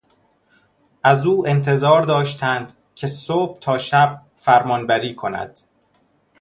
از او انتظار داشتند که صبح تا شب فرمانبری کند.